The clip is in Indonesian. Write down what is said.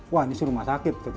wah ini sih rumah sakit